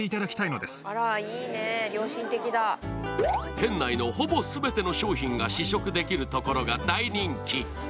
店内のほぼ全ての商品が試食できるところが大人気。